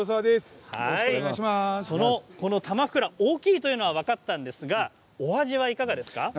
このたまふくら大きいというのは分かったんですがお味はいかがですか。